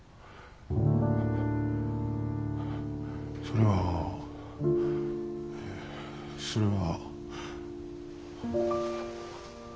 それは。それは。